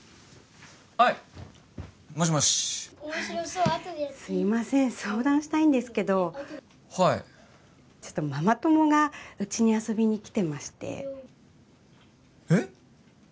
はいもしもしすいません相談したいんですけどはいちょっとママ友がウチに遊びに来てましてえっ？